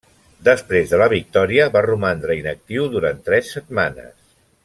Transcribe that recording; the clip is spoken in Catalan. Després de la victòria va romandre inactiu durant tres setmanes.